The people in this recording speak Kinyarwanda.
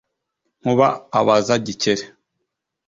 Nkuba abaza Gikeli